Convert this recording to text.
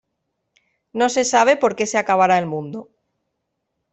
No se sabe porque se acabara el mundo.